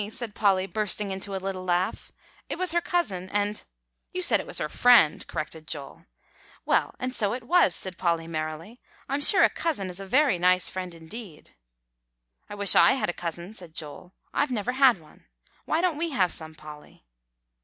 said Polly, bursting into a little laugh; "it was her cousin, and" "You said it was her friend," corrected Joel. "Well, and so it was," said Polly merrily. "I'm sure a cousin is a very nice friend, indeed." "I wish I had a cousin," said Joel; "I've never had one. Why don't we have some, Polly?"